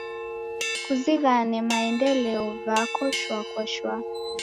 Kuzighane maendeleo ghako shwaa kwa shwaa.